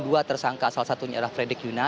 dua tersangka salah satunya adalah frederick yuna